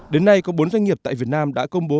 đến nay có bốn doanh nghiệp tại việt nam đã công bố